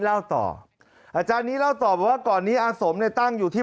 เล่าต่ออาจารย์นี้เล่าต่อบอกว่าก่อนนี้อาสมเนี่ยตั้งอยู่ที่